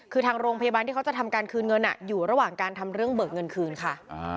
คือทางโรงพยาบาลที่เขาจะทำการคืนเงินอยู่ระหว่างการทำเรื่องเบิกเงินคืนค่ะ